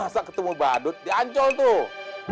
masa ketemu badut diancol tuh